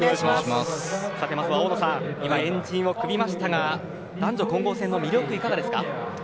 今は円陣を組みましたが男女混合戦の魅力はどこでしょうか。